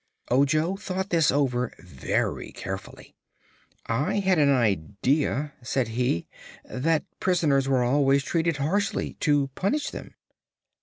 Ojo thought this over very carefully. "I had an idea," said he, "that prisoners were always treated harshly, to punish them."